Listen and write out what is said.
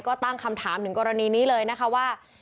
ก็ตั้งคำถามถึงกรณีนี้เลยนะคะว่า